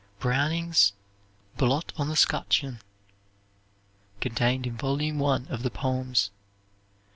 Browning's "Blot on the Scutcheon" (contained in volume one of the poems).